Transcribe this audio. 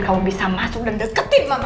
kamu bisa masuk dan deketin mama